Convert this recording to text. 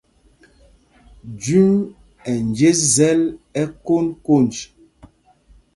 Jüm ɛ́ njes zɛl ɛkonj konj.